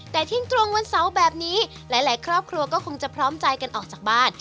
แต่เที่ยงตรงวันเสาร์แบบนี้หลายครอบครัวก็คงจะพร้อมใจกันออกจากบ้าน